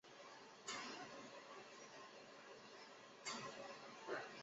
撒哈拉难民营是阿尔及利亚廷杜夫省境内的一系列撒哈拉人难民营的总称。